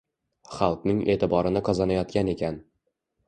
Xalqning e’tiborini qozonayotgan ekan